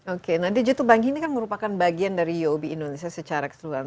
oke nah digital bank ini kan merupakan bagian dari uob indonesia secara keseluruhan